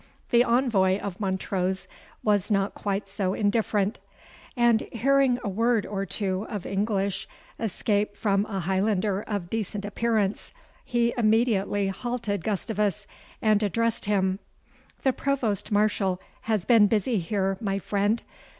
The envoy of Montrose was not quite so indifferent; and, hearing a word or two of English escape from a Highlander of decent appearance, he immediately halted Gustavus and addressed him, "The Provost Marshal has been busy here, my friend.